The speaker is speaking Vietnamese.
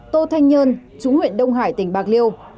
tô thanh nhơn chú huyện đông hải tỉnh bạc liêu